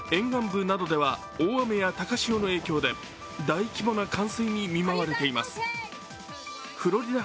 一夜が明け、沿岸部では大雨や高潮の影響で大規模な停電に見舞われています。